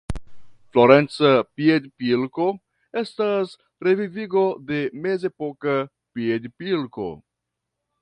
Florenca piedpilko estas revivigo de mezepoka piedpilko.